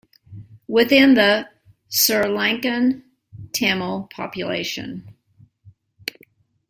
Within the Sri Lankan Tamil population.